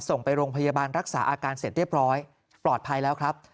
ส่งไปโรงพยาบาลรักษาอาการเสร็จเรียบร้อยปลอดภัยแล้วครับ